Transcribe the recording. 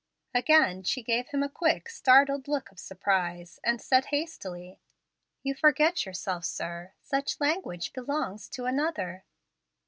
Again she gave him a quick look of startled surprise, and said hastily, "You forget yourself, sir. Such language belongs to another."